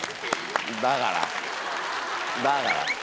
だからだから。